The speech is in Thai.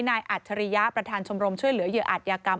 อัจฉริยะประธานชมรมช่วยเหลือเหยื่ออาจยากรรม